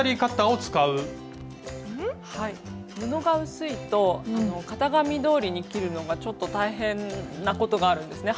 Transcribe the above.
布が薄いと型紙どおりに切るのがちょっと大変なことがあるんですね。